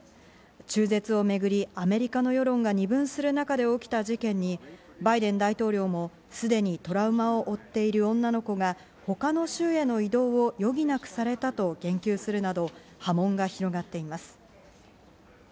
中絶をめぐりアメリカの世論が二分する中で起きた事件にバイデン大統領も、すでにトラウマを追っている女の子が他の州への移動を余儀なくされたと言及するなど波紋が広がっています。